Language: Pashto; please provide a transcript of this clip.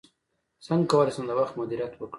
څنګه کولی شم د وخت مدیریت وکړم